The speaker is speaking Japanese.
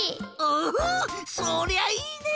おおそりゃいいね！